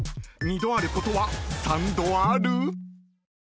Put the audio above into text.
二度あることは三度ある？］